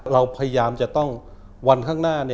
เราพยายามจะต้องวันข้างหน้า